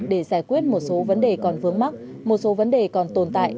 để giải quyết một số vấn đề còn vướng mắc một số vấn đề còn tồn tại